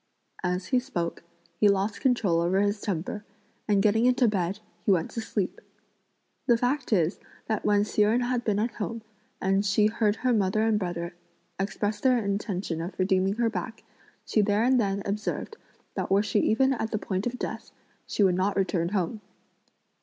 As he spoke, he lost control over his temper, and, getting into bed, he went to sleep. The fact is that when Hsi Jen had been at home, and she heard her mother and brother express their intention of redeeming her back, she there and then observed that were she even at the point of death, she would not return home.